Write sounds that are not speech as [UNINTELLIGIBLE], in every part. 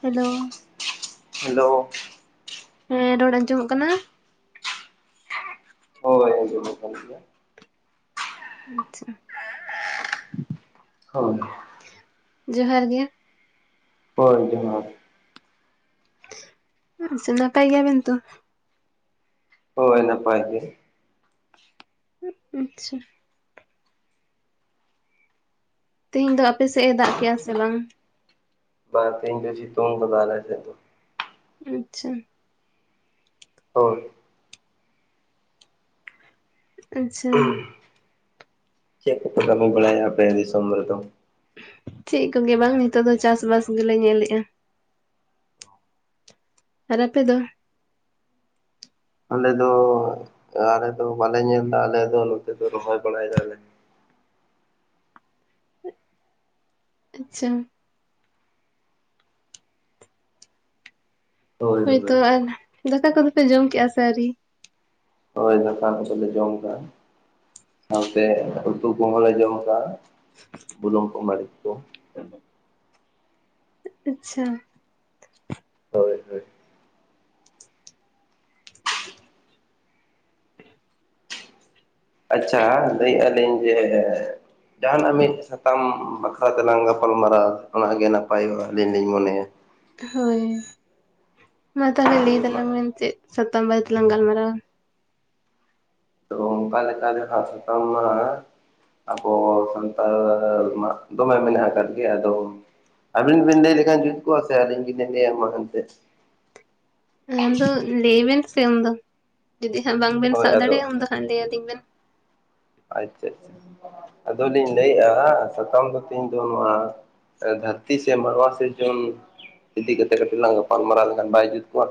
Hello. Hello. ᱦᱮᱸ ᱨᱚᱲ ᱟᱸᱡᱚᱢᱚᱜ ᱠᱟᱱᱟ? ᱦᱳᱭ ᱟᱸᱡᱚᱢᱚᱜ ᱠᱟᱱ ᱜᱮᱭᱟ᱾ ᱟᱪᱪᱷᱟ᱾ ᱦᱳᱭ᱾ ᱡᱚᱦᱟᱨ ᱜᱮ᱾ ᱦᱳᱭ ᱡᱚᱦᱟᱨ᱾ ᱟᱪᱪᱷᱟ, ᱱᱟᱯᱟᱭ ᱜᱮᱭᱟ ᱵᱮᱱ ᱛᱚ? ᱦᱳᱭ ᱱᱟᱯᱟᱭ ᱜᱮ᱾ ᱩᱸ, ᱟᱪᱪᱷᱟ᱾ ᱛᱤᱦᱤᱧ ᱫᱚ ᱟᱯᱮ ᱥᱮᱜ-ᱮ ᱫᱟᱜ ᱠᱮᱜ-ᱟ ᱥᱮ ᱵᱟᱝ? ᱵᱟ, ᱛᱤᱦᱤᱧ ᱫᱚ ᱥᱤᱛᱩᱝ ᱠᱟᱫᱟ ᱟᱞᱮ ᱥᱮᱫ ᱫᱚ᱾ ᱟᱪᱪᱷᱟ᱾ ᱦᱳᱭ᱾ ᱟᱪᱪᱷᱟ᱾ ᱪᱮᱫ ᱠᱚᱯᱮ ᱠᱟᱹᱢᱤ ᱵᱟᱲᱟᱭᱮᱜ-ᱟ ᱟᱯᱮ ᱫᱤᱥᱚᱢ ᱨᱮ ᱫᱚ? ᱪᱮᱫ ᱠᱚᱜᱮ ᱵᱟᱝ ᱱᱤᱛᱚᱜ ᱫᱚ ᱪᱟᱥ-ᱵᱟᱥ ᱜᱮᱞᱮ ᱧᱮᱞᱮᱜᱼᱟ᱾ ᱟᱨ ᱟᱯᱮ ᱫᱚ? ᱟᱞᱮ ᱫᱚ, ᱟᱞᱮ ᱫᱚ ᱵᱟᱞᱮ ᱧᱮᱞᱫᱟ ᱟᱞᱮ ᱫᱚ ᱱᱚᱛᱮ ᱫᱚ ᱨᱚᱦᱚᱭ ᱵᱟᱲᱟᱭ ᱫᱟᱞᱮ᱾ ᱟᱪᱪᱷᱟ᱾ ᱦᱳᱭ ᱦᱳᱭ ᱦᱳᱭᱛᱳ ᱟᱨ ᱫᱟᱠᱟ ᱠᱚᱫᱚ ᱯᱮ ᱡᱚᱢ ᱠᱮᱜᱼᱟ ᱥᱮ ᱟᱣᱨᱤ? ᱦᱚᱭ ᱫᱟᱠᱟ ᱠᱚᱫᱚ ᱞᱮ ᱡᱚᱢ ᱠᱟᱜ-ᱟ, ᱥᱟᱶᱛᱮ ᱩᱛᱩ ᱠᱚᱦᱚᱸ ᱞᱮ ᱡᱚᱢ ᱠᱟᱜ-ᱟ᱾ ᱵᱩᱞᱩᱝ ᱠᱚ, ᱢᱟᱨᱤᱪ ᱠᱚ᱾ ᱟᱪᱪᱷᱟ ᱦᱳᱭ ᱦᱳᱭ [INAUDIBLE] ᱟᱪᱪᱷᱟ ᱞᱟᱹᱭᱮᱜᱼᱟ ᱞᱤᱧ ᱡᱮ ᱡᱟᱦᱟᱱᱟᱜ ᱢᱤᱫ ᱥᱟᱛᱟᱢ ᱵᱟᱠᱷᱨᱟ ᱛᱮᱞᱟᱝ ᱜᱟᱯᱟᱞ ᱢᱟᱨᱟᱣᱟ, ᱚᱱᱟᱜ ᱜᱮ ᱱᱟᱯᱟᱭᱚᱜᱼᱟ ᱟᱹᱞᱤᱧ ᱞᱤᱧ ᱢᱚᱱᱮᱭᱟ᱾ ᱦᱳᱭ ᱢᱟ ᱛᱟᱦᱞᱮ ᱞᱟᱹᱭ ᱢᱟ ᱛᱟᱞᱟᱝ ᱵᱮᱱ ᱪᱮᱫ ᱥᱟᱛ ᱵᱟᱨᱮ ᱛᱮᱞᱟᱝ ᱜᱟᱞᱢᱟᱨᱟᱣᱟ? ᱛᱚ ᱚᱱᱠᱟ ᱞᱮᱠᱟ ᱨᱮᱦᱟᱸᱜ ᱥᱟᱛᱟᱢ ᱢᱟ ᱟᱵᱚ ᱥᱟᱱᱛᱟᱲ ᱢᱟ ᱫᱚᱢᱮ ᱢᱮᱱᱟᱜ ᱟᱠᱟᱫ ᱜᱮᱭᱟ᱾ ᱟᱫᱚ ᱟᱹᱵᱤᱱ ᱵᱤᱱ ᱞᱟᱹᱭ ᱞᱮᱠᱷᱟᱱ ᱡᱩᱛ ᱠᱚᱜᱼᱟ ᱥᱮ ᱟᱹᱞᱤᱧ ᱜᱮᱞᱤᱧ ᱞᱟᱹᱭᱟ ᱢᱟ ᱮᱱᱛᱮ ᱟᱫᱚ ᱞᱟᱹᱭ ᱵᱮᱱ ᱥᱮ ᱩᱱᱫᱚ ᱡᱩᱫᱤ ᱦᱟᱸᱜ ᱵᱟᱝ ᱵᱮᱱ ᱦᱳᱭ ᱥᱟᱵ ᱟᱫᱚ ᱫᱟᱲᱮᱭᱟᱜᱼᱟ, ᱩᱱ ᱫᱚ ᱦᱟᱸᱜ ᱞᱟᱹᱭ ᱟᱹᱞᱤᱧ ᱵᱮᱱ ᱟᱪᱪᱷᱟ ᱟᱪᱪᱷᱟ ᱟᱫᱚ ᱞᱤᱧ ᱞᱟᱹᱭᱮᱫᱼᱟ ᱥᱟᱛᱟᱢ ᱫᱚ ᱛᱮᱦᱤᱧ ᱫᱚ ᱱᱚᱣᱟ ᱫᱷᱟᱹᱨᱛᱤ ᱥᱮ ᱢᱚᱲᱣᱟ ᱥᱤᱨᱡᱚᱱ ᱤᱫᱤ ᱠᱟᱛᱮ ᱠᱟᱛᱮ ᱠᱟᱹᱴᱤᱡ ᱞᱟᱝ ᱜᱟᱯᱟᱞ ᱢᱟᱨᱟᱣ ᱞᱮᱠᱷᱟᱱ ᱵᱟᱭ ᱡᱩᱛ ᱠᱚᱜᱼᱟ?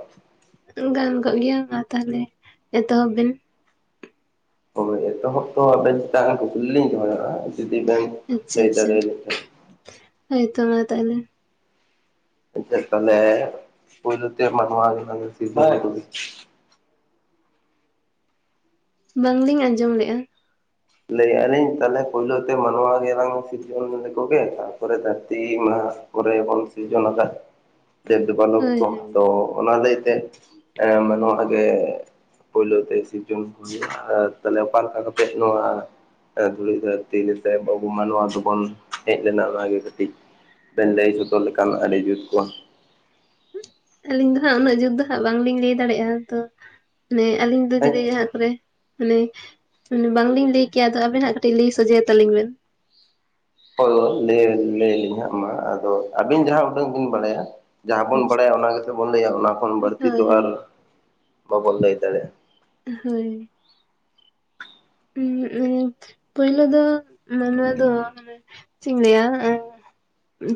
ᱜᱟᱱ ᱠᱚᱜ ᱜᱮᱭᱟ ᱢᱟ ᱛᱟᱦᱚᱞᱮ ᱮᱛᱚᱦᱚᱵ ᱵᱤᱱ ᱦᱳᱭ ᱮᱛᱚᱦᱚᱵ ᱛᱚ ᱟᱵᱮᱱ ᱪᱮᱛᱟᱱ ᱨᱮ ᱠᱩᱠᱞᱤ ᱞᱤᱧ ᱫᱚᱦᱚᱭᱼᱟ ᱡᱩᱫᱤ ᱵᱮᱱ ᱟᱪᱪᱷᱟ ᱞᱟᱹᱭ ᱟᱪᱪᱷᱟ ᱫᱟᱲᱮᱭᱟᱞᱤᱧ ᱠᱷᱟᱱ ᱦᱳᱭᱛᱚ ᱢᱟ ᱛᱟᱦᱚᱞᱮ ᱟᱪᱪᱷᱟ ᱛᱟᱦᱚᱞᱮ ᱯᱳᱭᱞᱚ ᱛᱮ ᱢᱟᱱᱟᱣ ᱥᱤᱨᱡᱚᱱ ᱵᱟᱝᱞᱤᱧ ᱟᱸᱡᱚᱢ ᱞᱮᱜᱼᱟ? ᱞᱟᱹᱭᱮᱫ ᱟᱹᱞᱤᱧ ᱛᱟᱦᱚᱞᱮ ᱯᱳᱭᱞᱳ ᱛᱮ ᱢᱟᱱᱣᱟ ᱜᱮᱞᱟᱝ ᱥᱤᱨᱡᱚᱱ ᱞᱮᱠᱚ ᱜᱮ ᱛᱟᱯᱚᱨᱮ ᱫᱷᱟᱹᱨᱛᱤ ᱢᱟ ᱦᱟᱸᱜ ᱠᱚᱨᱮ ᱵᱚᱱ ᱥᱤᱨᱡᱚᱱ ᱟᱠᱟᱫ ᱫᱮᱵᱽ ᱫᱮᱵᱟᱞᱳᱠ ᱦᱳᱭ ᱠᱚ᱾ ᱦᱳᱭ ᱟᱫᱚ ᱚᱱᱟ ᱞᱟᱹᱭᱛᱮ ᱢᱟᱱᱚᱣᱟ ᱜᱮ ᱯᱳᱭᱞᱳ ᱛᱮ ᱥᱤᱨᱡᱚᱱ ᱠᱚ ᱦᱩᱭᱩᱜᱼᱟ ᱟᱨ ᱛᱟᱦᱞᱮ ᱚᱠᱟ ᱞᱮᱠᱟ ᱠᱟᱛᱮᱜ ᱱᱚᱣᱟ ᱫᱷᱩᱲᱤ ᱫᱷᱟᱹᱨᱛᱤ ᱡᱮᱛᱮ ᱟᱵᱚ ᱢᱟᱱᱣᱟ ᱫᱚᱵᱚᱱ ᱦᱮᱡ ᱞᱮᱱᱟ᱾ ᱚᱱᱟ ᱜᱮ ᱠᱟᱹᱴᱤᱡ ᱵᱮᱱ ᱞᱟᱹᱭ ᱥᱚᱫᱚᱨ ᱞᱮᱠᱷᱟᱱ ᱟᱹᱰᱤ ᱡᱩᱛ ᱠᱚᱜᱼᱟ? ᱟᱹᱞᱤᱧ ᱫᱚ ᱦᱟᱸᱜ ᱩᱱᱟᱹᱜ ᱡᱩᱛ ᱫᱚ ᱦᱟᱸᱜ ᱵᱟᱝᱞᱤᱧ ᱞᱟᱹᱭ ᱫᱟᱲᱮᱭᱟᱜᱼᱟ ᱛᱚ᱾ ᱢᱟᱱᱮ ᱟᱹᱞᱤᱧ ᱫᱚ ᱦᱮᱸ ᱡᱩᱫᱤ ᱦᱟᱸᱜ ᱢᱟᱱᱮ ᱵᱟᱝᱞᱤᱧ ᱞᱟᱹᱭ ᱠᱮᱭᱟ, ᱟᱫᱚ ᱟᱵᱮᱱ ᱦᱟᱸᱜ ᱠᱟᱹᱴᱤᱡ ᱞᱟᱹᱭ ᱥᱚᱡᱷᱮᱭᱟ ᱛᱟᱞᱤᱧ ᱵᱮᱱ ᱦᱳᱭ ᱞᱟᱹᱭ ᱞᱟᱹᱭ ᱟᱹᱞᱤᱧ ᱦᱟᱸᱜ ᱢᱟ ᱟᱫᱚ ᱟᱹᱵᱤᱱ ᱡᱟᱦᱟᱸ ᱩᱰᱟᱹᱝ ᱵᱤᱱ ᱵᱟᱲᱟᱭᱟ᱾ ᱡᱟᱦᱟᱸ ᱵᱚᱱ ᱟᱪᱪᱷᱟ ᱵᱟᱲᱟᱭᱟ, ᱚᱱᱟ ᱜᱮᱛᱚ ᱵᱚᱱ ᱞᱟᱹᱭᱟ ᱚᱱᱟ ᱠᱷᱚᱱ ᱵᱟᱹᱲᱛᱤ ᱦᱳᱭ ᱛᱚ ᱟᱨ ᱵᱟᱵᱚᱱ ᱞᱟᱹᱭ ᱫᱟᱲᱮᱭᱟᱜᱼᱟ᱾ ᱦᱳᱭ ᱯᱳᱞᱳ ᱫᱚ ᱢᱟᱱᱚᱣᱟ ᱫᱚ ᱪᱮᱫ ᱤᱧ ᱞᱟᱹᱭᱟ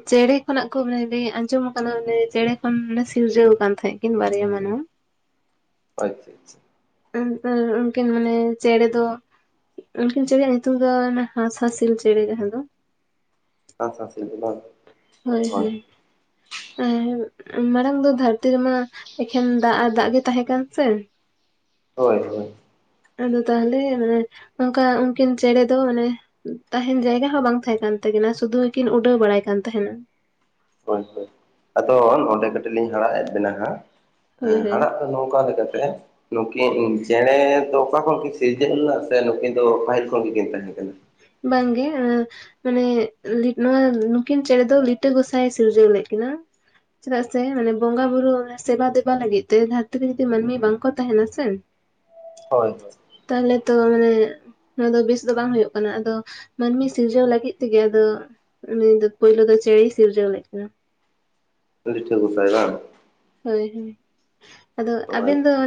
ᱪᱮᱬᱮ ᱠᱷᱚᱱᱟᱜ ᱠᱚ ᱢᱟᱱᱮ ᱞᱟᱹᱭ ᱟᱸᱡᱚᱢ ᱠᱟᱱᱟ, ᱚᱱᱮ ᱪᱮᱬᱮ ᱠᱷᱚᱱ ᱱᱮ ᱥᱤᱨᱡᱟᱹᱣ ᱟᱠᱟᱱ ᱛᱟᱦᱮᱸᱫ ᱠᱤᱱ ᱵᱟᱨᱭᱟ ᱢᱟᱱᱣᱟ᱾ ᱟᱪᱪᱷᱟ ᱟᱪᱪᱷᱟ ᱩᱱᱠᱤᱱ ᱢᱟᱱᱮ ᱪᱮᱬᱮ ᱫᱚ ᱩᱱᱠᱤᱱ ᱪᱮᱬᱮᱭᱟᱜ ᱧᱩᱛᱩᱢ ᱫᱚ ᱦᱟᱸᱥ ᱦᱟᱹᱥᱤᱞ ᱪᱮᱬᱮ ᱡᱟᱦᱟᱸ ᱫᱚ᱾ ᱦᱟᱸᱥ ᱦᱟᱹᱥᱤᱞ ᱵᱟᱝ? ᱦᱳᱭ ᱦᱳᱭ ᱮ ᱢᱟᱲᱟᱝ ᱫᱚ ᱫᱷᱟᱹᱨᱛᱤ ᱨᱮᱢᱟ ᱮᱠᱷᱮᱱ ᱫᱟᱜ ᱟᱨ ᱫᱟᱜ ᱜᱮ ᱛᱟᱦᱮᱸ ᱠᱟᱱ ᱥᱮ ᱦᱳᱭ ᱦᱳᱭ ᱟᱫᱚ ᱛᱟᱦᱚᱞᱮ ᱢᱟᱱᱮ ᱚᱱᱠᱟ ᱩᱱᱠᱤᱱ ᱪᱮᱬᱮ ᱫᱚ ᱢᱟᱱᱮ ᱛᱟᱦᱮᱸᱱ ᱡᱟᱭᱜᱟ ᱦᱚᱸ ᱵᱟᱝ ᱛᱟᱦᱮᱸ ᱠᱟᱱ ᱛᱟᱹᱠᱤᱱᱟ, ᱥᱩᱫᱩᱠᱤᱱ ᱩᱰᱟᱹᱣ ᱵᱟᱲᱟᱭ ᱠᱟᱱ ᱛᱟᱦᱮᱱᱟ᱾ ᱦᱳᱭ ᱦᱳᱭ ᱟᱫᱚ ᱱᱚᱸᱰᱮ ᱠᱟᱹᱴᱤᱡ ᱞᱤᱧ ᱦᱟᱲᱟᱜ ᱮᱫ ᱵᱮᱱᱟ ᱦᱟᱸᱜ ᱦᱳᱭ ᱦᱳᱭ ᱦᱟᱲᱦᱟᱜ ᱫᱚ ᱱᱚᱝᱠᱟ ᱞᱮᱠᱟᱛᱮ ᱱᱩᱠᱤᱱ ᱪᱮᱬᱮ ᱫᱚ ᱚᱠᱟ ᱠᱷᱚᱱ ᱠᱤᱱ ᱥᱤᱨᱡᱟᱹᱣ ᱞᱮᱱᱟ ᱥᱮ ᱱᱩᱠᱤᱱ ᱫᱚ ᱯᱟᱹᱦᱤᱞ ᱠᱷᱚᱱ ᱜᱮᱠᱤᱱ ᱛᱟᱦᱮᱸ ᱠᱟᱱᱟ? ᱵᱟᱝ ᱜᱮ ᱢᱟᱱᱮ ᱱᱚᱣᱟ ᱱᱩᱠᱤᱱ ᱪᱮᱬᱮ ᱫᱚ ᱞᱤᱴᱟᱹ ᱜᱚᱸᱥᱟᱭ ᱮ ᱥᱤᱨᱡᱟᱹᱣ ᱞᱮᱫ ᱠᱤᱱᱟ᱾ ᱪᱮᱫᱟᱜ ᱥᱮ ᱢᱟᱱᱮ ᱵᱚᱸᱜᱟ ᱵᱩᱨᱩ ᱥᱮᱵᱟ ᱫᱮᱵᱟ ᱞᱟᱹᱜᱤᱫ ᱛᱮ ᱫᱷᱟᱹᱨᱛᱤ ᱨᱮ ᱡᱩᱫᱤ ᱢᱟᱹᱱᱢᱤ ᱵᱟᱝ ᱠᱚ ᱛᱟᱦᱮᱸᱱᱟ ᱥᱮ ᱦᱳᱭ ᱦᱳᱭ ᱛᱟᱦᱚᱞᱮ ᱛᱚ ᱢᱟᱱᱮ ᱱᱚᱣᱟ ᱫᱚ ᱵᱮᱥ ᱫᱚ ᱵᱟᱝ ᱦᱩᱭᱩᱜ ᱠᱟᱱᱟ, ᱟᱫᱚ ᱢᱟᱹᱱᱢᱤ ᱥᱤᱨᱡᱟᱹᱣ ᱞᱟᱹᱜᱤᱫ ᱛᱮᱜᱮ ᱟᱫᱚ ᱩᱱᱤ ᱫᱚ ᱯᱳᱭᱞᱳ ᱫᱚ ᱪᱮᱬᱮ ᱥᱤᱨᱡᱟᱹᱣ ᱞᱮᱫ ᱠᱤᱱᱟ᱾ ᱴᱷᱟᱹ ᱜᱚᱥᱟᱭ ᱵᱟᱝ, ᱦᱳᱭ ᱦᱳᱭ ᱟᱫᱚ ᱟᱵᱮᱱ ᱫᱚ, ᱟᱪᱪᱷᱟ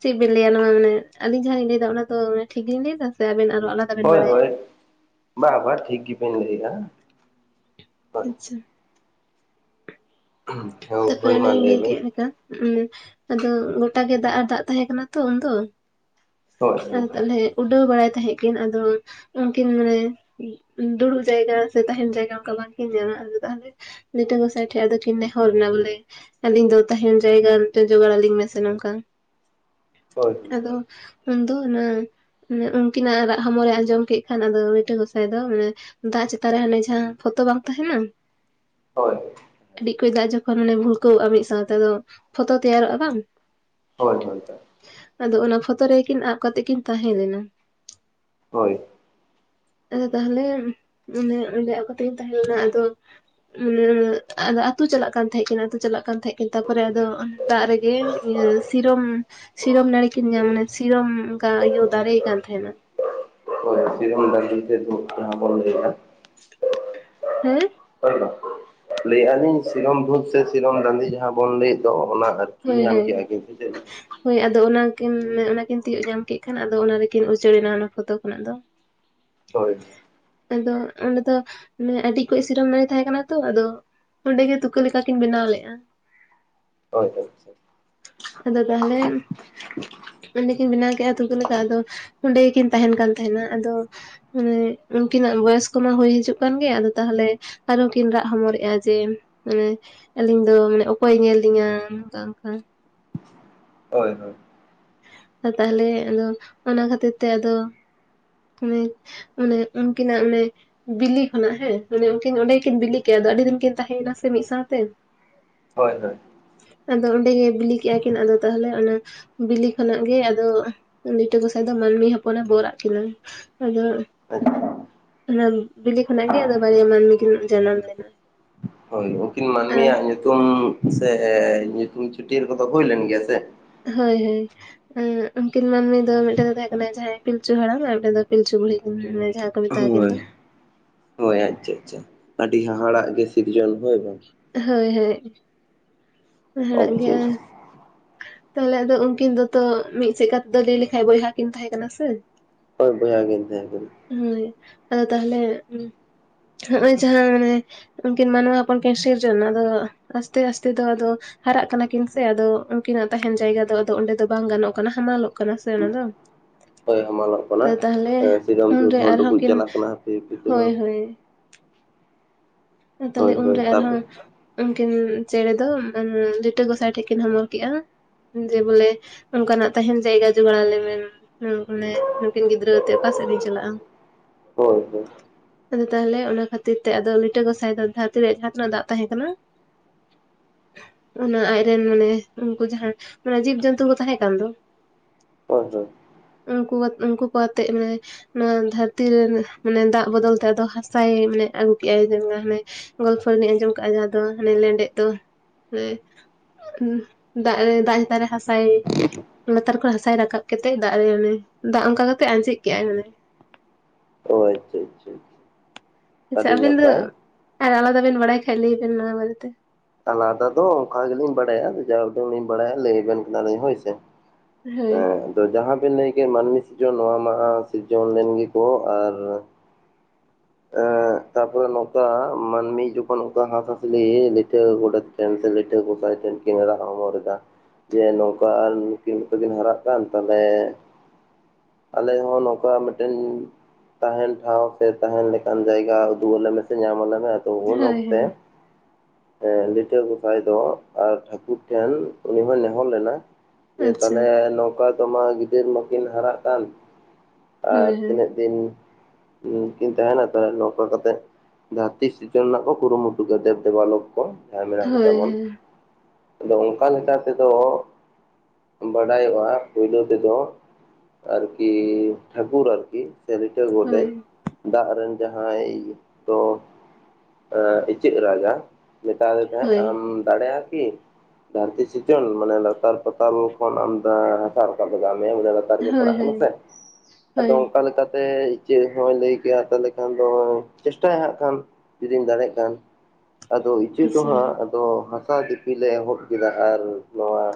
ᱪᱮᱫ ᱵᱤᱱ ᱞᱟᱹᱭᱟ ᱱᱚᱣᱟ ᱢᱟᱱᱮ ᱟᱹᱞᱤᱧ ᱡᱟᱦᱟᱸ ᱞᱤᱧ ᱞᱟᱹᱭ ᱫᱟ ᱚᱱᱟ ᱫᱚ ᱴᱷᱤᱠ ᱞᱤᱧ ᱞᱟᱹᱭ ᱫᱟ ᱥᱮ ᱟᱵᱮᱱ ᱟᱨᱦᱚ ᱟᱞᱟᱫᱟ᱾ ᱵᱮᱱ ᱦᱳᱭ ᱵᱟᱲᱟᱭᱟ ᱦᱳᱭ ᱵᱟ ᱵᱟᱝ ᱴᱷᱤᱠ ᱜᱮᱵᱮᱱ ᱞᱟᱹᱭᱮᱜ-ᱟ᱾ ᱟᱪᱪᱷᱟ, ᱦᱩᱸ, ᱛᱟᱯᱚᱨᱮ ᱚᱱᱤᱧ ᱞᱟᱹᱭ ᱠᱮᱫ ᱞᱮᱠᱟ ᱟᱫᱚ ᱜᱚᱴᱟ ᱜᱮ ᱫᱟᱜ ᱟᱨ ᱫᱟᱜ ᱛᱟᱦᱮᱸ ᱠᱟᱱᱟ ᱛᱚ ᱩᱱᱫᱚ᱾ ᱦᱳᱭ ᱦᱳᱭ ᱟᱫ ᱛᱟᱦᱚᱞᱮ ᱩᱰᱟᱹᱣ ᱵᱟᱲᱟᱭ ᱛᱟᱦᱮᱸᱜ ᱠᱤᱱ ᱟᱫᱚ, ᱩᱱᱠᱤᱱ ᱢᱟᱱᱮ ᱫᱩᱲᱩᱵ ᱡᱟᱭᱜᱟ ᱥᱮ ᱛᱟᱦᱮᱸᱱ ᱡᱟᱭᱜᱟ ᱚᱱᱠᱟ ᱵᱟᱝᱠᱤᱱ ᱧᱟᱢᱟᱼᱟᱫᱚ ᱛᱟᱦᱞᱮ, ᱯᱤᱴᱷᱟᱹ ᱜᱚᱥᱟᱭ ᱴᱷᱮᱡ ᱟᱫᱚ ᱠᱤᱱ ᱱᱮ ᱱᱮᱦᱚᱨ ᱱᱟ ᱵᱚᱞᱮ ᱟᱹᱞᱤᱧ ᱫᱚ ᱛᱟᱦᱮᱸᱱ ᱡᱟᱭᱜᱟ ᱢᱤᱫᱴᱮᱱ ᱡᱚᱜᱟᱲ ᱟᱹᱞᱤᱧ ᱢᱮᱥᱮ ᱱᱚᱝᱠᱟ᱾ ᱦᱳᱭ। ᱟᱫᱚ, ᱩᱱᱫᱚ ᱚᱱᱟ ᱢᱟᱱᱮ ᱩᱱᱠᱤᱱᱟᱜ ᱨᱟᱜ ᱦᱚᱢᱚᱨᱮ ᱟᱸᱡᱚᱢ ᱠᱮᱫ ᱠᱷᱟᱱ ᱟᱫᱚ ᱞᱤᱴᱟ. ᱜᱚᱸᱥᱟᱭ ᱫᱚ, ᱢᱟᱱᱮ ᱫᱟᱜ ᱪᱮᱛᱟᱱ ᱨᱮ ᱦᱟᱱᱮ ᱡᱟᱸᱦᱟ ᱯᱷᱚᱛᱚ ᱵᱟᱝ ᱛᱟᱸᱦᱮᱱᱟ᱾ ᱦᱳᱭ᱾ ᱠᱟᱹᱭ ᱫᱟᱜ ᱡᱚᱠᱷᱚᱱ ᱚᱱᱮ ᱵᱷᱩᱞᱠᱟᱹᱣᱼᱟ ᱢᱤᱫ ᱥᱟᱸᱣᱛᱮ ᱯᱷᱚᱛᱚ ᱛᱮᱭᱟᱨᱚᱜᱼᱟ ᱵᱟᱝ? ᱦᱚᱭ ᱦᱚᱭ ᱦᱳᱭ᱾ ᱟᱫᱚ ᱚᱱᱟ ᱯᱷᱚᱛᱚ ᱨᱮᱜᱮᱠᱤᱱ ᱟᱵ ᱠᱟᱛᱮᱜ ᱠᱤᱱ ᱛᱟᱸᱦᱮ ᱞᱮᱱᱟ। ᱦᱳᱭ। ᱟᱫᱚ ᱛᱟᱦᱚᱞᱮ ᱢᱟᱱᱮ ᱚᱸᱰᱮ ᱟᱵ ᱠᱟᱛᱮ ᱠᱤᱱ ᱛᱟᱸᱦᱮ ᱞᱮᱱᱟ ᱟᱫᱚ, ᱩᱸ ᱟᱫᱚ ᱟ ᱟᱹᱛᱩ ᱪᱟᱞᱟᱜ ᱠᱟᱱ ᱛᱟᱸᱦᱮᱜ ᱠᱤᱱ, ᱟᱹᱛᱩ ᱪᱟᱞᱟᱜ ᱠᱟᱱ ᱛᱟᱸᱦᱮ ᱠᱤᱱ ᱟᱹᱛᱩ ᱪᱟᱞᱟᱜ ᱠᱟᱱ ᱛᱟᱸᱦᱮᱫ ᱠᱤᱱ ᱛᱟᱨᱯᱚᱨᱮ ᱟᱫᱚ ᱫᱟᱜ ᱨᱮᱜᱮ ᱤᱭᱟᱹ ᱥᱤᱨᱚᱢ ᱥᱤᱨᱚᱢ ᱱᱟᱹᱲᱤᱠᱤᱱ ᱧᱟᱢ ᱢᱟᱱᱮ ᱥᱤᱨᱚᱢ ᱚᱱᱠᱟ ᱤᱭᱟᱹ ᱫᱟᱨᱮᱭ ᱟᱠᱟᱱ ᱛᱟᱸᱦᱮᱱᱟ। [UNINTELLIGIBLE] ᱫᱚ ᱡᱟᱸᱦᱟ ᱵᱚᱱ ᱞᱟᱹᱭ-ᱟ, ᱦᱮᱸ, ᱞᱟᱹᱭᱮᱫᱼᱟ ᱞᱤᱧ ᱥᱤᱨᱚᱢ ᱫᱷᱩᱛ ᱥᱮ ᱥᱤᱨᱚᱢ ᱫᱟᱸᱫᱷᱤ ᱡᱟᱸᱦᱟ ᱵᱚᱱ ᱞᱟᱹᱭᱮᱫ ᱫᱚ ᱚᱱᱟ ᱟᱨᱠᱤ᱾ ᱦᱳᱭ ᱧᱟᱢ ᱦᱳᱭ ᱠᱮᱜ ᱟ ᱠᱤᱱ ᱥᱮ ᱪᱮᱛ? ᱦᱳᱭ ᱟᱫᱚ ᱚᱱᱟᱠᱤᱱ ᱚᱱᱟᱠᱤᱱ ᱛᱤᱭᱳᱜ ᱧᱟᱢ ᱠᱮᱫ ᱠᱷᱟᱱ ᱟᱫᱚ ᱚᱱᱟ ᱨᱮᱠᱤᱱ ᱩᱪᱟᱹᱲᱮᱱᱟ ᱚᱱᱟ ᱯᱷᱚᱛᱚ ᱠᱷᱚᱱᱟᱜ ᱫᱚ। ᱦᱳᱭ। ᱟᱫᱚ ᱚᱸᱰᱮ ᱫᱚ ᱟᱹᱰᱤ ᱚᱠᱚᱡ ᱥᱤᱨᱚᱢ ᱱᱟᱲᱤ ᱛᱟᱸᱦᱮ ᱠᱟᱱᱟ ᱛᱚ ᱟᱫᱚ, ᱚᱸᱰᱮᱜᱮ ᱛᱩᱠᱟᱹ ᱞᱮᱠᱟᱠᱤᱱ ᱵᱮᱱᱟᱣ ᱞᱮᱫᱼᱟ᱾ ᱦᱳᱭ ᱦᱳᱭ᱾ ᱟᱫᱚ ᱛᱟᱦᱚᱞᱮ ᱚᱸᱰᱮ ᱠᱤᱱ ᱵᱮᱱᱟᱣ ᱠᱮᱫᱼᱟ ᱛᱩᱠᱟ ᱞᱮᱠᱟ ᱟᱫᱚ ᱚᱸᱰᱮ ᱜᱮᱠᱤᱱ ᱛᱟᱸᱦᱮᱱ ᱠᱟᱱ ᱛᱟᱸᱦᱮᱱᱟ ᱟᱫᱚ। ᱢᱟᱱᱮ ᱩᱱᱠᱤᱱᱟᱜ ᱵᱚᱭᱮᱥ ᱠᱚᱢᱟ ᱦᱩᱭ ᱦᱤᱡᱩᱜ ᱠᱟᱱ ᱜᱮ ᱟᱫᱚ ᱛᱟᱦᱚᱞᱮ, ᱟᱨᱦᱚᱸ ᱠᱤᱱ ᱨᱟᱜ ᱦᱚᱢᱚᱨᱮᱫᱼᱟ ᱡᱮ ᱢᱟᱱᱮ, ᱟᱹᱞᱤᱧ ᱫᱚ ᱢᱟᱱᱮ ᱚᱠᱚᱭ ᱧᱮᱞ ᱞᱤᱧᱟ ᱚᱝᱠᱟ ᱚᱝᱠᱟ᱾ ᱦᱳᱭ ᱦᱳᱭ᱾ ᱛᱟᱦᱚᱞᱮ ᱟᱫᱚ ᱚᱱᱟ ᱠᱷᱟᱹᱛᱤᱨ ᱛᱮ ᱟᱫᱚ, ᱢᱟᱱᱮ ᱚᱱᱮ ᱩᱱᱠᱤᱱᱟᱜ ᱚᱱᱮ, ᱵᱤᱞᱤ ᱠᱷᱚᱱᱟᱜ ᱦᱮᱸ, ᱚᱱᱮ ᱩᱱᱠᱤᱱ ᱚᱸᱰᱮᱠᱤᱱ ᱵᱤᱞᱤ ᱠᱮᱫᱼᱟ ᱟᱫᱚ ᱟᱹᱰᱤ ᱫᱤᱱ ᱠᱤᱱ ᱛᱟᱸᱦᱮᱭ ᱮᱱᱟ ᱥᱮ ᱢᱤᱫ ᱥᱟᱸᱣᱛᱮ᱾ ᱦᱳᱭ ᱦᱳᱭ᱾ ᱟᱫᱚ ᱚᱸᱰᱮ ᱜᱮ ᱵᱤᱞᱤ ᱠᱮᱫ-ᱟ ᱠᱤᱱ ᱟᱫᱚ ᱛᱟᱦᱚᱞᱮ ᱚᱱᱟ ᱵᱤᱞᱤ ᱠᱷᱚᱱᱟᱜ ᱜᱮ ᱟᱫᱚ ᱞᱤᱴᱟᱹ ᱜᱚᱸᱥᱟᱭ ᱫᱚ ᱢᱟᱹᱱᱢᱤ ᱦᱚᱯᱚᱱ ᱮ ᱵᱚᱨ ᱟᱜ ᱠᱤᱱᱟᱹ ᱟᱫᱚ, ᱟᱪᱪᱷᱟ ᱚᱱᱟ ᱵᱤᱞᱤ ᱠᱷᱚᱱᱟᱜ ᱜᱮ ᱟᱫᱚ ᱵᱟᱨᱭᱟ ᱢᱟᱹᱱᱢᱤ ᱠᱤᱱ ᱡᱟᱱᱟᱢ ᱞᱮᱱᱟ᱾ ᱦᱳᱭ, ᱩᱱᱠᱤᱱ ᱟᱨ ᱢᱟᱹᱱᱢᱤᱭᱟᱜ ᱧᱩᱛᱩᱢ ᱥᱮ ᱧᱩᱛᱩᱢ ᱪᱷᱟᱹᱴᱤᱭᱟᱹᱨ ᱠᱚᱫᱚ ᱦᱩᱭ ᱞᱮᱱ ᱜᱮᱭᱟ ᱥᱮ? ᱦᱳᱭ ᱦᱳᱭ᱾ ᱩᱱᱠᱤᱱ ᱢᱟᱹᱱᱢᱤ ᱫᱚ ᱢᱤᱫᱴᱮᱱ ᱫᱚ ᱛᱟᱸᱦᱮ ᱠᱟᱱᱟ ᱡᱟᱸᱦᱟᱭ ᱯᱤᱞᱪᱩ ᱦᱟᱲᱟᱢ ᱟᱨ ᱢᱤᱫᱴᱮᱱ ᱫᱚ ᱯᱤᱞᱪᱩ ᱵᱩᱲᱦᱤ ᱡᱟᱸᱦᱟ ᱫᱚ, ᱛᱟᱠᱤᱱ ᱫᱚ᱾ ᱦᱳᱭ ᱦᱳᱭ ᱟᱪᱪᱷᱟ ᱟᱪᱪᱷᱟ ᱟᱹᱰᱤ ᱦᱟᱦᱟᱲᱟᱜ ᱜᱮ ᱥᱤᱨᱡᱚᱱ ᱦᱳᱭ ᱵᱟᱝ? ᱦᱳᱭ ᱦᱳᱭ ᱦᱟᱦᱟᱲᱟᱜ ᱟᱪᱪᱷᱟ ᱜᱮ। ᱟᱪᱪᱷᱟ ᱛᱟᱦᱚᱞᱮ ᱟᱫᱚ ᱩᱱᱠᱤᱱ ᱫᱚᱛᱚ ᱢᱤᱫ ᱥᱮᱪ ᱛᱮᱫᱚ ᱞᱟᱹᱭ ᱞᱮᱠᱟᱱ ᱵᱚᱭᱦᱟ ᱠᱤᱱ ᱛᱟᱸᱦᱮ ᱠᱟᱱᱟ ᱥᱮ? ᱦᱳᱭ ᱵᱚᱭᱦᱟ ᱠᱤᱱ ᱛᱟᱸᱦᱮ ᱠᱟᱱᱟ। ᱦᱳᱭ ᱟᱫᱚ ᱛᱟᱦᱚᱞᱮ ᱦᱚᱜᱼᱚᱭ ᱡᱟᱸᱦᱟ ᱢᱟᱱᱮ ᱩᱱᱠᱤᱱ ᱢᱟᱱᱣᱟ ᱦᱚᱯᱚᱱᱠᱤᱱ ᱥᱤᱨᱡᱚᱱ ᱱᱟ ᱟᱫᱚ ᱟᱥᱛᱮ ᱟᱥᱛᱮ ᱫᱚ ᱟᱫᱚ ᱦᱟᱨᱟᱜ ᱠᱟᱱᱟ ᱠᱤᱱ ᱥᱮ ᱟᱫᱚ ᱩᱱᱠᱤᱱᱟᱜ ᱛᱟᱸᱦᱮᱱ ᱡᱟᱭᱜᱟ ᱫᱚ ᱟᱫᱚ ᱚᱸᱰᱮ ᱫᱚ ᱵᱟᱝ ᱜᱟᱱᱚᱜ ᱠᱟᱱᱟ ᱦᱟᱢᱟᱞᱚᱜ ᱠᱟᱱᱟ ᱥᱮ ᱚᱱᱟᱫᱚ। ᱦᱳᱭ ᱦᱟᱢᱟᱞᱚᱜ ᱠᱟᱱᱟ ᱟᱫᱚ ᱛᱟᱦᱚᱞᱮ ᱥᱤᱨᱚᱢ ᱫᱷᱩᱯ ᱩᱱᱨᱮ ᱦᱚᱸ ᱟᱨᱦᱚᱸ ᱰᱩᱵᱩᱡ ᱠᱤᱱ ᱪᱟᱞᱟᱜ ᱠᱟᱱᱟ ᱦᱟᱯᱮ ᱦᱟᱯᱮ ᱛᱮ ᱦᱳᱭ ᱵᱟᱝ ᱦᱳᱭ। ᱛᱟᱦᱚᱞᱮ ᱦᱳᱭ ᱦᱳᱭ ᱩᱱᱨᱮ ᱟᱨ ᱦᱚᱸ ᱛᱟᱯᱚᱨ ᱩᱱᱠᱤᱱ ᱪᱮᱸᱬᱮ ᱫᱚ ᱞᱤᱴᱟᱹ ᱜᱚᱸᱥᱟᱭ ᱴᱷᱮᱱ ᱠᱤᱱ ᱦᱚᱢᱚᱨ ᱠᱮᱜᱼᱟ ᱡᱮ ᱵᱚᱞᱮ ᱚᱱᱠᱟᱱᱟᱜ ᱛᱟᱸᱦᱮᱱ ᱡᱟᱭᱜᱟ ᱡᱚᱜᱟᱲ ᱟᱞᱮᱢᱮ। ᱦᱮᱸ ᱚᱱᱮ ᱱᱩᱠᱤᱱ ᱜᱤᱫᱽᱨᱟᱹᱛᱮ ᱚᱠᱟ ᱥᱮᱫ ᱞᱤᱧ ᱪᱟᱞᱟᱜᱼᱟ? ᱦᱳᱭ ᱦᱳᱭ ᱟᱫᱚ ᱛᱟᱦᱚᱞᱮ ᱚᱱᱟ ᱠᱷᱟᱹᱛᱤᱨ ᱛᱮ ᱟᱫᱚ ᱟᱹᱰᱤ ᱞᱤᱴᱟᱹ ᱜᱚᱫᱟᱢ ᱫᱚ ᱫᱷᱟᱹᱨᱛᱤ ᱨᱮᱭᱟᱜ ᱡᱟᱦᱟᱸ ᱛᱤᱱᱟᱹᱜ ᱫᱟᱜ ᱛᱟᱦᱮᱸ ᱠᱟᱱᱟ, ᱚᱱᱟ ᱟᱡᱨᱮᱱ ᱢᱟᱱᱮ ᱩᱱᱠᱩ ᱡᱟᱦᱟᱸ ᱢᱟᱱᱮ ᱡᱤᱵ ᱡᱚᱱᱛᱩ ᱠᱚ ᱛᱟᱦᱮᱸ ᱠᱟᱱ ᱫᱚ ᱦᱳᱭ ᱦᱳᱭ ᱩᱱᱠᱩ ᱩᱱᱠᱩ ᱠᱚ ᱟᱛᱮᱜ ᱢᱟᱱᱮ ᱱᱚᱣᱟ ᱫᱷᱟᱹᱨᱛᱤ ᱨᱮ ᱢᱟᱱᱮ ᱫᱟᱜ ᱵᱚᱫᱚᱞ ᱛᱮ ᱟᱫᱚ ᱦᱟᱥᱟᱭ ᱢᱟᱱᱮ ᱟᱹᱜᱩ ᱠᱮᱜᱟᱭ, ᱦᱟᱱᱮ ᱜᱚᱞᱯᱷᱚ ᱞᱤᱧ ᱟᱸᱡᱚᱢ ᱠᱟᱜᱼᱟ ᱡᱟᱦᱟᱸ ᱫᱚ ᱟᱱᱮ ᱞᱮᱸᱰᱮᱛ ᱫᱚ ᱫᱟᱜ ᱫᱟᱜ ᱪᱮᱛᱟᱱ ᱨᱮ ᱦᱟᱥᱟᱭ ᱞᱟᱛᱟᱨ ᱠᱷᱚᱱ ᱦᱟᱥᱟᱭ ᱨᱟᱠᱟᱵ ᱠᱟᱛᱮ ᱫᱟᱜ ᱨᱮ ᱚᱱᱮ ᱫᱟᱜ ᱚᱱᱠᱟ ᱠᱟᱛᱮ ᱟᱸᱡᱮᱫ ᱠᱮᱫᱟᱭ ᱢᱟᱱᱮ, ᱚ ᱟᱪᱪᱷᱟ ᱟᱪᱪᱷᱟ ᱟᱪᱪᱷᱟ ᱟᱹᱰᱤ ᱟᱵᱤᱱ ᱫᱚ ᱱᱟᱯᱟᱭ ᱟᱨ ᱟᱞᱟᱫᱟ ᱵᱤᱱ ᱵᱟᱲᱟᱭ ᱠᱷᱟᱡ ᱞᱟᱹᱭ ᱵᱮᱱ ᱱᱚᱣᱟ ᱵᱟᱨᱮᱛᱮ? ᱟᱞᱟᱫᱟ ᱫᱚ ᱚᱱᱠᱟ ᱜᱮᱞᱤᱧ ᱵᱟᱲᱟᱭᱟ ᱡᱟᱦᱟ ᱨᱚᱠᱚᱢ ᱞᱤᱧ ᱵᱟᱲᱟᱭᱟ ᱞᱟᱹᱭ ᱟᱵᱮᱱ ᱠᱟᱱᱟᱞᱤᱧ ᱦᱳᱭ ᱥᱮ᱾ ᱦᱳᱭ ᱛᱚ ᱡᱟᱦᱟᱸ ᱵᱮᱱ ᱞᱟᱹᱭ ᱠᱮᱫᱮᱜ ᱢᱟᱹᱱᱢᱤ ᱥᱤᱨᱡᱚᱱ ᱱᱚᱣᱟ ᱢᱟ ᱥᱤᱨᱡᱚᱱ ᱞᱮᱱ ᱜᱮᱠᱚ ᱟᱨ ᱮᱻ ᱛᱟᱨᱯᱚᱨ ᱱᱚᱝᱠᱟ ᱢᱟᱱᱢᱤ ᱡᱚᱠᱷᱚᱱ ᱱᱚᱝᱠᱟ ᱦᱟᱸᱥ ᱦᱟᱥᱞᱤ ᱞᱤᱴᱟᱹ ᱜᱚᱰᱮᱛ ᱴᱷᱮᱱ ᱥᱮ ᱞᱤᱴᱟ ᱜᱚᱥᱟᱭ ᱴᱷᱮᱱ ᱠᱤᱱ ᱨᱟᱜ ᱦᱚᱢᱚᱨᱫᱟ, ᱡᱮ ᱱᱚᱝᱠᱟ ᱱᱩᱠᱤᱱ ᱛᱚ ᱠᱤᱱ ᱦᱟᱨᱟᱜ ᱠᱟᱱ ᱛᱟᱦᱚᱞᱮ ᱟᱞᱮ ᱦᱚᱸ ᱱᱚᱝᱠᱟ ᱢᱤᱫᱴᱮᱱ ᱛᱟᱦᱮᱱ ᱴᱷᱟᱶ ᱥᱮ ᱛᱟᱦᱮᱱ ᱞᱮᱠᱟᱱ ᱡᱟᱭᱜᱟ ᱩᱫᱩᱞ ᱟᱞᱮ ᱢᱮ ᱥᱮ ᱧᱟᱢ ᱟᱞᱮ ᱢᱮ, ᱟᱫᱚ ᱩᱱ ᱦᱳᱭ ᱚᱠᱛᱮ ᱦᱳᱭ ᱞᱤᱴᱟᱹ ᱜᱚᱸᱥᱟᱭ ᱫᱚ ᱟᱨ ᱴᱷᱟᱠᱩᱨ ᱴᱷᱮᱱ ᱩᱱᱤ ᱦᱚᱸᱭ ᱱᱮᱦᱚᱨ ᱞᱮᱱᱟ, ᱡᱮ ᱟᱪᱪᱷᱟ ᱛᱟᱦᱞᱮ ᱱᱚᱝᱠᱟ ᱫᱚ ᱢᱟ ᱜᱤᱫᱟᱹᱨ ᱢᱟᱠᱤᱱ ᱦᱟᱨᱟᱜ ᱠᱟᱱ ᱟᱨ ᱦᱳᱭ ᱦᱳᱭ ᱛᱤᱱᱟᱹᱜ ᱫᱤᱱ ᱠᱤᱱ ᱛᱟᱦᱮᱱᱟ ᱛᱟᱦᱚᱞᱮ ᱱᱚᱝᱠᱟ ᱠᱟᱛᱮᱜ ᱫᱷᱟᱹᱨᱛᱤ ᱥᱤᱨᱡᱚᱱ ᱨᱮᱱᱟᱜ ᱠᱚ ᱠᱩᱨᱩᱢᱩᱴᱩ ᱫᱮᱵ ᱫᱮᱵ ᱫᱮᱵᱟᱞᱳ ᱠᱚ ᱡᱟᱦᱟᱸᱭ ᱢᱮᱱᱟᱜ ᱠᱚᱛᱟ ᱦᱳᱭ ᱵᱚᱱ ᱦᱳᱭ ᱟᱫᱚ ᱚᱱᱠᱟ ᱞᱮᱠᱟ ᱛᱮᱫᱚ ᱵᱟᱰᱟᱭᱚᱜᱼᱟ ᱯᱩᱭᱞᱳ ᱛᱮᱫᱚ ᱟᱨᱠᱤ ᱴᱷᱟᱹᱠᱩᱨ ᱟᱨᱠᱤ ᱥᱮ ᱞᱤᱴᱟ ᱜᱚᱰᱮᱛ ᱫᱟᱜ ᱨᱮᱱ ᱡᱟᱦᱟᱸᱭ ᱠᱚ ᱤᱪᱟᱹᱜ ᱨᱟᱡᱟ, ᱢᱮᱛᱟ ᱫᱮ ᱛᱟᱦᱮᱸ ᱦᱳᱭ ᱟᱢ ᱫᱟᱲᱮᱭᱟᱜᱼᱟ ᱠᱤ ᱫᱷᱟᱹᱨᱛᱤ ᱥᱤᱡᱚᱱ ᱢᱟᱱᱮ ᱞᱟᱛᱟᱨ ᱯᱟᱛᱟᱞ ᱠᱷᱚᱱ ᱟᱢ ᱦᱟᱥᱟ ᱨᱟᱠᱟᱵ ᱞᱟᱜᱟᱣ ᱢᱮᱭᱟ᱾ ᱞᱟᱛᱟᱨ ᱜᱮ ᱦᱳᱭ ᱯᱟᱲᱟᱜ ᱠᱟᱱᱟ ᱦᱳᱭ ᱥᱮ ᱟᱫᱚ ᱦᱳᱭ ᱚᱱᱠᱟ ᱞᱮᱠᱟᱛᱮ ᱤᱪᱟᱹᱜ ᱦᱚᱸᱭ ᱞᱟᱹᱭ ᱠᱮᱭᱟ ᱛᱟᱦᱚᱞᱮ ᱠᱷᱟᱱ ᱫᱚ ᱪᱮᱥᱴᱟᱭᱟ ᱦᱟᱸᱜ ᱠᱷᱟᱱ ᱡᱩᱫᱤᱧ ᱫᱟᱲᱮᱭᱟᱜ ᱠᱷᱟᱱ᱾ ᱟᱫᱚ ᱤᱪᱟᱹᱜ ᱫᱚ ᱟᱪᱪᱷᱟ ᱦᱟᱸᱜ ᱟᱫᱚ ᱦᱟᱥᱟ ᱫᱤᱯᱤᱞ ᱞᱮ ᱮᱦᱚᱵ ᱠᱮᱫᱟ ᱟᱨ ᱱᱚᱣᱟ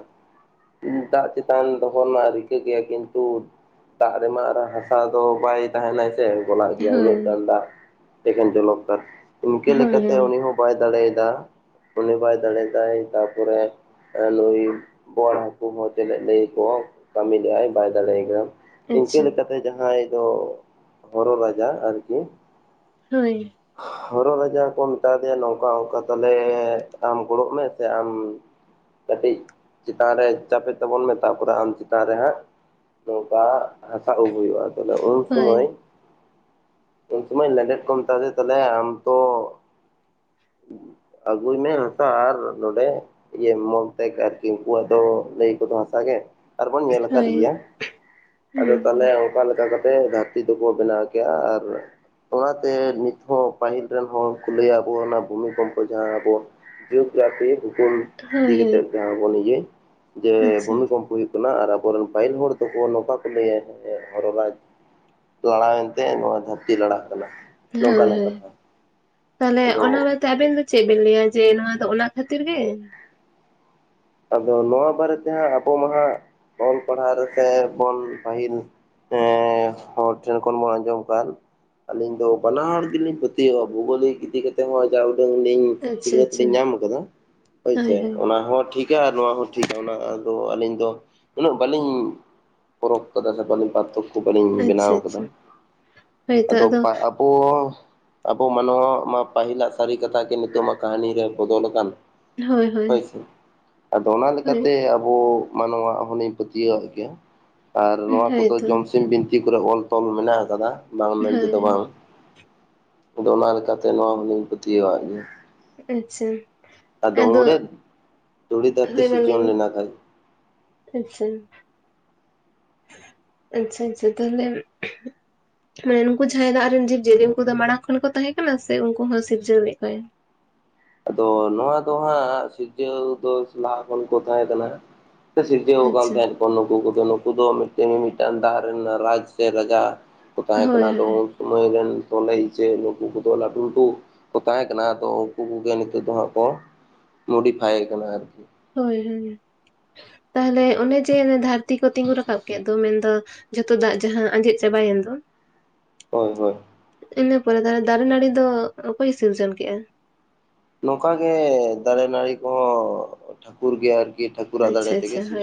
ᱫᱟᱜ ᱪᱮᱛᱟᱱ ᱫᱚᱦᱚ ᱨᱮᱱᱟᱜ ᱨᱤᱠᱟᱹ ᱠᱮᱜ-ᱟ ᱠᱤᱱᱛᱩ ᱫᱟᱜ ᱨᱮᱢᱟ ᱟᱨ ᱦᱟᱥᱟ ᱫᱚ ᱵᱟᱭ ᱛᱟᱦᱮᱱᱟᱭ ᱜᱚᱞᱟᱜ ᱦᱳᱭ ᱜᱮᱭᱟ ᱦᱳᱭ ᱩᱱᱟᱹᱜ ᱜᱟᱱ ᱫᱟᱜ ᱮᱠᱷᱮᱱ ᱡᱚᱞᱚᱠᱟᱨ ᱤᱱᱠᱟᱹ ᱞᱮᱠᱟᱛᱮ ᱦᱳᱭ ᱩᱱᱤ ᱦᱚᱸ ᱵᱟᱭ ᱫᱟᱲᱮᱭᱫᱟ, ᱩᱱᱤ ᱵᱟᱭ ᱫᱟᱲᱮᱫᱟᱭ ᱛᱟᱯᱚᱨᱮ ᱱᱩᱭ ᱵᱚᱣᱟᱲ ᱦᱟᱠᱩ ᱦᱚᱸ ᱪᱮᱫ ᱞᱟᱹᱭ ᱟᱠᱚᱣᱟ ᱠᱟᱹᱢᱤ ᱞᱮᱫᱟᱭ ᱵᱟᱭ ᱫᱟᱲᱮᱭᱟᱭ ᱠᱟᱱᱟ᱾ ᱤᱱᱠᱟᱹ ᱟᱪᱪᱷᱟ ᱞᱮᱠᱟᱛᱮ ᱡᱟᱦᱟᱸᱭ ᱫᱚ ᱦᱚᱨᱚ ᱨᱟᱡᱟ ᱟᱨᱠᱤ᱾ ᱦᱳᱭ᱾ ᱦᱚᱨᱚ ᱨᱟᱡᱟ ᱠᱚ ᱢᱮᱛᱟ ᱫᱮᱭᱟ ᱱᱚᱝᱠᱟ ᱚᱝᱠᱟ ᱛᱟᱞᱮ ᱟᱢ ᱜᱚᱲᱚᱜ ᱢᱮ ᱥᱮ ᱟᱢ ᱠᱟᱹᱴᱤᱡ ᱪᱮᱛᱟᱱ ᱨᱮ ᱪᱟᱯᱮᱜ ᱛᱟᱵᱚᱱ ᱢᱮ, ᱛᱟᱯᱚᱨᱮ ᱟᱢ ᱪᱮᱛᱟᱱ ᱨᱮ ᱦᱟᱸᱜ ᱱᱚᱝᱠᱟ ᱦᱟᱥᱟ ᱩᱵ ᱦᱩᱭᱩᱜᱼᱟ ᱛᱟᱦᱚᱞᱮ ᱩᱱ ᱥᱚᱢᱚᱭ ᱦᱳᱭ ᱩᱱ ᱥᱚᱢᱚᱭ ᱞᱮᱸᱰᱮᱛ ᱠᱚ ᱢᱮᱛᱟ ᱫᱮ ᱛᱟᱦᱞᱮ ᱟᱢ ᱛᱚ ᱟᱹᱜᱩᱭ ᱢᱮ ᱦᱟᱥᱟ ᱟᱨ ᱱᱚᱸᱰᱮ [UNINTELLIGIBLE] ᱟᱨᱠᱤ ᱩᱱᱠᱩᱣᱟᱜ ᱫᱚ ᱞᱟᱹᱭᱟᱠᱚᱚ ᱛᱚ ᱦᱟᱥᱟ ᱜᱮ᱾ ᱟᱨᱵᱚᱱ ᱧᱮᱞ ᱟᱠᱟᱫ ᱦᱳᱭ ᱜᱮᱭᱟ, ᱟᱫᱚ ᱦᱩᱸ ᱛᱟᱦᱞᱮ ᱦᱩᱸ ᱚᱠᱟ ᱞᱮᱠᱟ ᱠᱟᱛᱮ ᱫᱷᱟᱹᱨᱛᱤ ᱫᱚᱠᱚ ᱵᱮᱱᱟᱣ ᱠᱮᱭᱟ ᱟᱨ ᱚᱱᱟᱛᱮ ᱱᱤᱛ ᱦᱚᱸ ᱯᱟᱹᱦᱤᱞ ᱨᱮᱱ ᱦᱚᱲ ᱠᱚ ᱞᱟᱹᱭᱟ ᱟᱵᱚ ᱚᱱᱟ ᱵᱷᱩᱢᱤ ᱠᱚᱢ ᱡᱟᱦᱟᱸ ᱟᱵᱚ ᱡᱤᱭᱳᱜᱨᱟᱯᱷᱤ ᱵᱷᱩᱜᱳᱞ ᱤᱫᱤ ᱦᱳᱭ ᱠᱟᱛᱮᱫ ᱦᱳᱭ ᱡᱟᱦᱟᱸ ᱵᱚᱱ ᱤᱭᱟᱹ ᱡᱮ ᱟᱪᱪᱷᱟ ᱵᱷᱩᱢᱤᱠᱚᱢᱯᱚ ᱦᱩᱭᱩᱜ ᱠᱟᱱᱟ ᱟᱨ ᱟᱵᱚᱨᱮᱱ ᱯᱟᱹᱦᱤᱞ ᱦᱚᱲ ᱫᱚᱠᱚ ᱱᱚᱝᱠᱟ ᱠᱚ ᱞᱟᱹᱭᱟ ᱡᱮ, ᱦᱚᱨᱚ ᱨᱟᱡᱽ ᱞᱟᱲᱟᱣᱮᱱᱛᱮ ᱱᱚᱣᱟ ᱫᱷᱟᱹᱨᱛᱤ ᱞᱟᱲᱟᱜ ᱠᱟᱱᱟ᱾ ᱦᱳᱭ ᱱᱚᱝᱠᱟᱱᱟᱜ ᱦᱳᱭ ᱠᱟᱛᱷᱟ ᱛᱟᱦᱞᱮ ᱟᱫᱚ ᱚᱱᱟ ᱵᱟᱫᱽ ᱟᱵᱮᱱ ᱫᱚ ᱪᱮᱫ ᱵᱮᱤᱱ ᱞᱟᱹᱭᱟ ᱡᱮ ᱱᱚᱣᱟ ᱫᱚ ᱚᱱᱟ ᱠᱷᱟᱹᱛᱤᱨ ᱜᱮ? ᱟᱫᱚ ᱱᱚᱣᱟ ᱵᱟᱨᱮᱛᱮ ᱦᱟᱸᱜ ᱟᱵᱚ ᱢᱟ ᱦᱟᱸᱜ ᱚᱞ ᱯᱟᱲᱦᱟᱣ ᱨᱮ ᱥᱮ ᱵᱚᱱ ᱯᱟᱹᱦᱤᱞ ᱮᱸ ᱦᱚᱲ ᱴᱷᱮᱱ ᱠᱷᱚᱱ ᱵᱚᱱ ᱟᱸᱡᱚᱢ ᱠᱟᱫ ᱟᱹᱞᱤᱧ ᱫᱚ ᱵᱟᱱᱟ ᱦᱚᱲ ᱜᱮᱞᱤᱧ ᱯᱟᱹᱛᱭᱟᱹᱜᱼᱟ ᱵᱷᱳᱣᱜᱳᱞᱤᱠ ᱤᱫᱤ ᱠᱟᱛᱮ ᱦᱚᱸ ᱡᱟ ᱩᱰᱟᱹᱝ ᱞᱤᱧ ᱟᱪᱪᱷᱟ ᱥᱤᱠᱷᱱᱟᱹᱛ ᱟᱪᱪᱷᱟ ᱞᱤᱧ ᱧᱟᱢ ᱟᱠᱟᱫᱟ ᱦᱳᱭᱥᱮ ᱦᱳᱭ ᱦᱳᱭ ᱚᱱᱟ ᱦᱚᱸ ᱴᱷᱤᱠ ᱠᱟ ᱟᱨ ᱱᱚᱣᱟ ᱦᱚᱸ ᱴᱷᱤᱠᱟ ᱚᱱᱟ ᱟᱫᱚ ᱟᱹᱞᱤᱧ ᱫᱚ ᱩᱱᱟᱹᱜ ᱵᱟᱹᱞᱤᱧ ᱯᱚᱨᱚᱠᱷ ᱠᱟᱫᱟ ᱥᱮ ᱵᱟᱞᱤᱧ ᱯᱟᱨᱛᱷᱚᱠ ᱠᱚ ᱵᱟᱞᱤᱧ ᱵᱮᱱᱟᱣ ᱟᱪᱪᱷᱟ ᱠᱟᱫᱟ ᱟᱪᱪᱷᱟ ᱟᱫᱚ ᱯᱟ ᱚ ᱟᱵᱚ ᱢᱟᱱᱣᱟᱣᱟᱜ ᱢᱟ ᱯᱟᱹᱦᱤᱞᱟᱜ ᱥᱟᱹᱨᱤ ᱠᱟᱛᱷᱟ ᱜᱮ ᱱᱤᱛᱚᱜ ᱢᱟ ᱠᱟᱹᱦᱱᱤ ᱨᱮ ᱵᱚᱫᱚᱞᱟᱠᱟᱱ᱾ ᱦᱳᱭ ᱦᱳᱭ᱾ ᱟᱫᱚ ᱚᱱᱟ ᱦᱳᱭ ᱞᱮᱠᱟᱛᱮ ᱟᱵᱚ ᱢᱟᱱᱣᱟᱣᱟᱜ ᱦᱚᱞᱤᱧ ᱯᱟᱹᱛᱭᱟᱹᱣᱟᱜ ᱜᱮᱭᱟ᱾ ᱟᱨ ᱱᱚᱣᱟ ᱠᱚᱫᱚ ᱦᱳᱭᱛᱚ ᱡᱚᱢᱥᱤᱢ ᱵᱤᱱᱛᱤ ᱠᱚᱨᱮ ᱚᱞ ᱛᱚᱞ ᱢᱮᱱᱟᱜ ᱟᱠᱟᱫᱟ᱾ ᱵᱟᱝ ᱢᱮᱱ ᱛᱮᱫᱚ ᱦᱳᱭ ᱵᱟᱝ, ᱟᱫᱚ ᱚᱱᱟ ᱞᱮᱠᱟᱛᱮ ᱱᱚᱣᱟ ᱦᱚᱸᱞᱤᱧ ᱯᱟᱹᱛᱭᱟᱹᱣᱟᱜ ᱜᱮᱭᱟ᱾ ᱟᱪᱪᱷᱟ, ᱟᱫᱚ ᱫᱷᱚᱲᱤ ᱫᱷᱟᱹᱨᱛᱤ ᱦᱳᱭ ᱢᱟ ᱞᱟᱹᱭ ᱥᱤᱨᱠᱡᱚᱱ ᱢᱮ ᱞᱮᱱᱟ ᱠᱷᱟᱡ᱾ ᱟᱪᱪᱷᱟ᱾ ᱟᱪᱪᱷᱟ ᱟᱪᱪᱷᱟ, ᱛᱟᱦᱞᱮ ᱢᱟᱱᱮ ᱩᱝᱠᱩ ᱡᱟᱦᱟᱸᱭ ᱫᱟᱜ ᱨᱮᱱ ᱡᱤᱵᱽᱡᱤᱭᱟᱹᱞᱤ ᱩᱱᱠᱩ ᱫᱚ ᱢᱟᱲᱟᱝ ᱠᱷᱚᱱ ᱠᱚ ᱛᱟᱦᱮᱸ ᱠᱟᱱᱟ ᱥᱮ ᱩᱝᱠᱩ ᱦᱚᱸ ᱥᱤᱨᱡᱟᱹᱣ ᱞᱮᱫ ᱠᱚᱣᱟᱟᱭ? ᱟᱫᱚ ᱱᱚᱣᱟ ᱫᱚ ᱦᱟᱸᱜ ᱥᱤᱨᱡᱟᱹᱣ ᱫᱚ ᱞᱟᱦᱟ ᱠᱷᱚᱱ ᱠᱚ ᱛᱟᱦᱮᱸ ᱠᱟᱱᱟ᱾ ᱠᱚ ᱥᱤᱨᱡᱮᱣ ᱠᱟᱱ ᱟᱪᱪᱷᱟ ᱛᱟᱦᱮᱸᱫ᱾ ᱫᱚ ᱱᱩᱠᱩ ᱠᱚᱫᱚ, ᱱᱩᱠᱩ ᱫᱚᱴ ᱢᱤᱢᱴᱟᱝ ᱫᱟᱜ ᱨᱮᱱ ᱨᱟᱡᱽ ᱥᱮ ᱨᱟᱡᱟ ᱠᱚ ᱛᱟᱦᱮᱸ ᱦᱳᱭ ᱠᱟᱱᱟ᱾ ᱟᱫᱚ ᱦᱳᱭ ᱱᱟᱹᱭ ᱨᱮᱱ ᱥᱚᱠᱮ ᱤᱪᱟᱹᱜ ᱱᱩᱠᱩ ᱠᱚᱫᱚ ᱞᱟᱹᱴᱩ ᱞᱟᱹᱴᱩ ᱠᱚ ᱛᱟᱦᱮᱸ ᱠᱟᱱᱟ᱾ ᱟᱫᱚ ᱩᱝᱠᱩ ᱜᱮ ᱱᱤᱛᱚᱜ ᱫᱚ ᱦᱟᱸᱜ ᱠᱚ ᱢᱚᱰᱤᱯᱷᱟᱭ ᱠᱟᱱᱟ ᱟᱨᱠᱤ᱾ ᱦᱳᱭ ᱦᱳᱭ, ᱛᱟᱦᱞᱮ ᱚᱱᱮ ᱡᱮ ᱫᱷᱟᱹᱨᱛᱤ ᱠᱚ ᱛᱤᱸᱜᱩ ᱨᱟᱠᱟᱵ ᱠᱮᱫ ᱫᱚ ᱢᱮᱱᱫᱚ ᱡᱚᱛᱚ ᱫᱟᱜ ᱡᱟᱦᱟᱸ ᱟᱸᱡᱮᱫ ᱪᱟᱵᱟᱭᱮᱱ ᱫᱚ᱾ ᱦᱳᱭ ᱦᱳᱭ᱾ ᱤᱱᱟᱹ ᱯᱚᱨᱮ ᱫᱚ ᱫᱟᱨᱮ ᱱᱟᱹᱲᱤ ᱫᱚ ᱚᱠᱚᱭ ᱥᱤᱨᱡᱚᱱ ᱠᱮᱜᱼᱟ? ᱱᱚᱝᱠᱟ ᱜᱮ ᱫᱟᱨᱮ ᱱᱟᱹᱲᱤ ᱠᱚᱦᱚᱸ ᱴᱷᱟᱹᱠᱩᱨ ᱜᱮ ᱟᱨᱠᱤ ᱴᱷᱟᱹᱠᱩᱨᱟᱜ ᱫᱟᱨᱮ ᱟᱪᱪᱷᱟ ᱛᱮᱜᱮ ᱟᱪᱪᱷᱟ ᱥᱤᱨᱡᱚ ᱦᱳᱭ